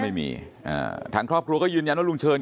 ไม่มีผักครูก็ยืนยันว่าลุงเชิญ